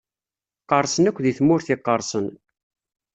Qqersen akk di tmurt iqersen.